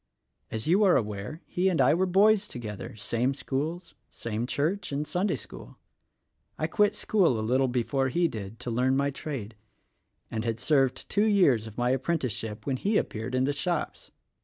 As you are aware, he' and I were boys together; same schools, "same church and Sunday school. I quit school a little before he did, to learn my trade, and had served two years of my appren ticeship when he appeared in the shops.